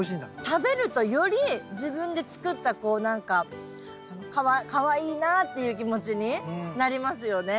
食べるとより自分で作ったこう何かかわいいなっていう気持ちになりますよね。